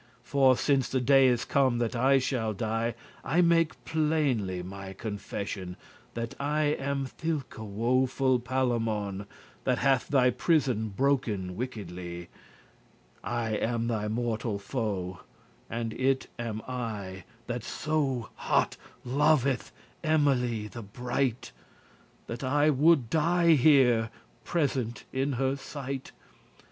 For since the day is come that I shall die I make pleinly* my confession, *fully, unreservedly That I am thilke* woful Palamon, *that same <36> That hath thy prison broken wickedly. I am thy mortal foe, and it am I That so hot loveth Emily the bright, That I would die here present in her sight.